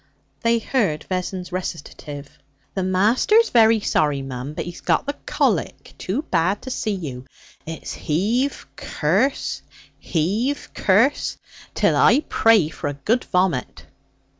They heard Vessons recitative. 'The master's very sorry, mum, but he's got the colic too bad to see you. It's heave, curse, heave, curse, till I pray for a good vomit!'